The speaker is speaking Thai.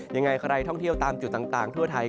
ยังไงใครท่องเที่ยวตามจุดต่างทั่วไทย